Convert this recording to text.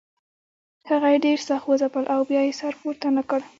هغه یې ډېر سخت وځپل او بیا یې سر پورته نه کړ.